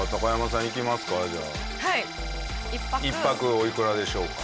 １泊おいくらでしょうか？